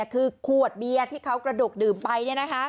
คือขวดเบียร์ที่เขากระดกดื่มไป